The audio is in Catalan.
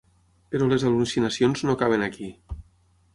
Però les al·lucinacions no acaben aquí.